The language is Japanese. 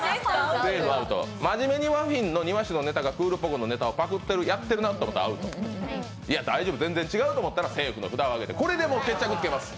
マジメニマフィンの「庭師」がクールポコのネタをパクってるな、やってるなと思ったらアウト、大丈夫、全然違うと思ったらセーフの札を上げて、これで決着をつけます。